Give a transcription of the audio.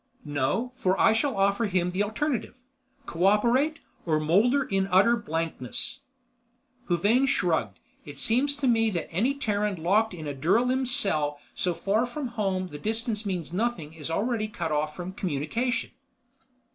"No, for I shall offer him the alternative. Co operate, or molder in utter blankness." Huvane shrugged. "Seems to me that any Terran locked in a duralim cell so far from home the distance means nothing is already cut from communication."